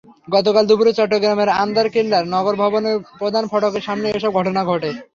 গতকাল দুপুরে চট্টগ্রামের আন্দরকিল্লার নগর ভবনের প্রধান ফটকের সামনে এসব ঘটনা ঘটে।